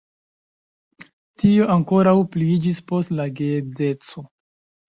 Tio ankoraŭ pliiĝis post la geedzeco.